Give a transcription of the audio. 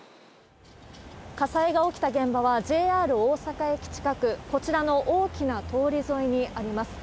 火災が起きた現場は、ＪＲ大阪駅近く、こちらの大きな通り沿いにあります。